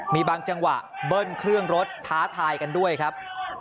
มีบางจังหวะเบิ้ลเครื่องรถท้าทายกันด้วยครับ